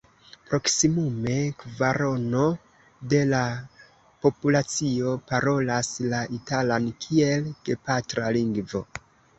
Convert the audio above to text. Proksimume kvarono de la populacio parolas la italan kiel gepatra lingvo.